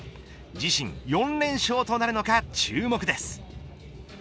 自身４連勝となるのか注目です。